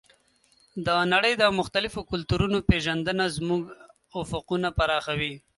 د نړۍ د مختلفو کلتورونو پېژندنه زموږ افقونه پراخوي.